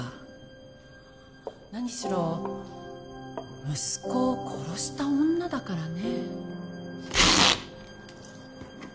何しろ息子を殺した女だからね。